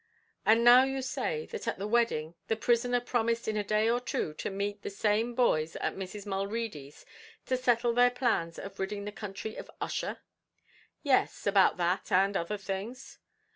"And now you say, that at the wedding, the prisoner promised in a day or two to meet the same boys at Mrs. Mulready's, to settle their plans of ridding the country of Ussher?" "Yes; about that and other things."